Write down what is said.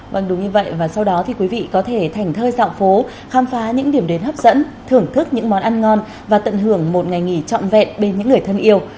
vâng đúng như vậy và sau đó thì quý vị có thể thảnh thơi dạng phố khám phá những điểm đến hấp dẫn thưởng thức những món ăn ngon và tận hưởng một ngày nghỉ trọn vẹn bên những người thân yêu